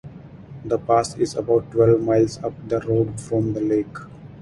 The pass is about twelve miles up the road from the lake.